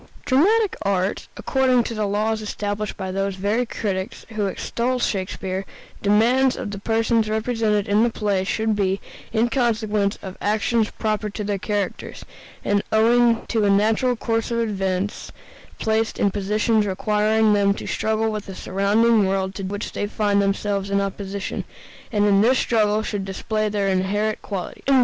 Dramatic art, according to the laws established by those very critics who extol Shakespeare, demands that the persons represented in the play should be, in consequence of actions proper to their characters, and owing to a natural course of events, placed in positions requiring them to struggle with the surrounding world to which they find themselves in opposition, and in this struggle should display their inherent qualities.